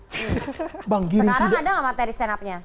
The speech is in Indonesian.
sekarang ada gak materi stand upnya